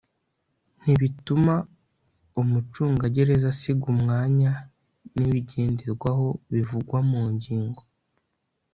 ntibituma umucungagereza asiga umwanya n ibigenderwaho bivugwa mu ngingo